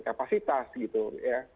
kapasitas gitu ya